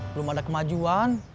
belum ada kemajuan